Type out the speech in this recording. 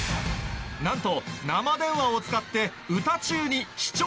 なんと